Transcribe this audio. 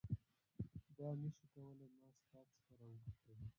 دا نه شي کولای ما ستا څخه راوګرځوي.